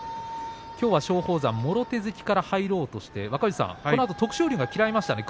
きょうは松鳳山はもろ手突きから入ろうとしてこれを徳勝龍が嫌いましたね